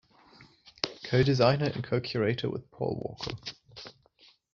Co-designer and co-curator with Paul Walker.